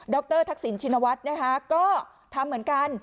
รทักษิณชินวัฒน์นะคะก็ทำเหมือนกัน